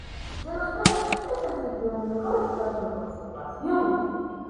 De los tres es el sitio en mejor estado de conservación.